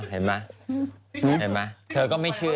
เห็นไหมเธอก็ไม่เชื่อ